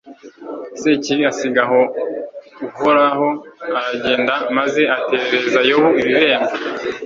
sekibi asiga aho uhoraho, aragenda, maze aterereza yobu ibibembe